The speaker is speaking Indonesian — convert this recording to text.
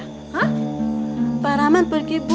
hah faraman pergi bu